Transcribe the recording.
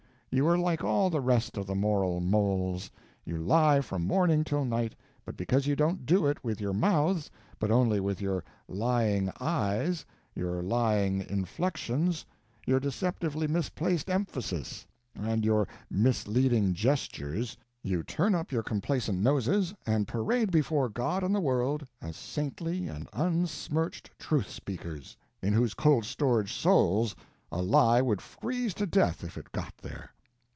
You are like all the rest of the moral moles; you lie from morning till night, but because you don't do it with your mouths, but only with your lying eyes, your lying inflections, your deceptively misplaced emphasis, and your misleading gestures, you turn up your complacent noses and parade before God and the world as saintly and unsmirched Truth Speakers, in whose cold storage souls a lie would freeze to death if it got there!